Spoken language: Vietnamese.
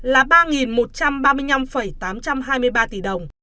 là ba một trăm ba mươi năm tám trăm hai mươi ba tỷ đồng